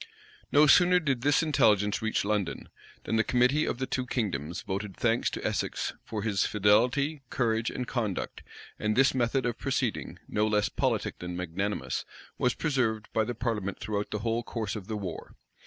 No sooner did this intelligence reach London, than the committee of the two kingdoms voted thanks to Essex for his fidelity, courage, and conduct; and this method of proceeding, no less politic than magnanimous, was preserved by the parliament throughout the whole course of the war.